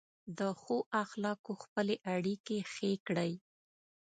په ښو اخلاقو خپلې اړیکې ښې کړئ.